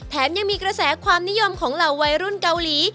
แถมนี้ยังมีกระแสความนิยมในเวรุ่นเกาหลี